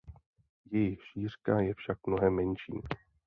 Jejich šířka je však mnohem menší.